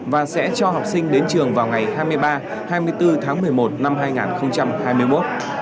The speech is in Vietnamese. và sẽ cho học sinh đến trường vào ngày hai mươi ba hai mươi bốn tháng một mươi một năm hai nghìn hai mươi một